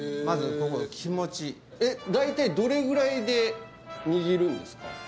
まずこの気持ち大体どれぐらいで握るんですか？